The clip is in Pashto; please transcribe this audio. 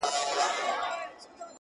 ښکاري و ویشتی هغه موږک یارانو,